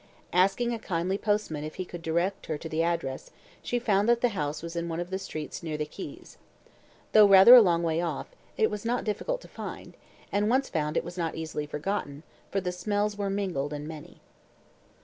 Asking a kindly postman if he could direct her to the address, she found that the house was in one of the streets near the quays. Though rather a long way off, it was not difficult to find, and once found it was not easily forgotten, for the smells were mingled and many.